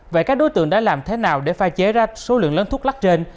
vậy các đối tượng đã làm thế nào để pha chế ra số lượng lớn thuốc lắc trên